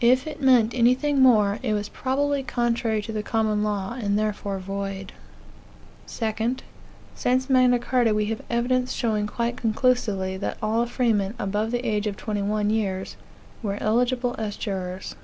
If it meant anything more, it was probably contrary to the common law, and therefore void. 2. Since Magna Carta, we have evidence showing quite conclusively that all freemen, above the age of twenty one years, were eligible as jurors.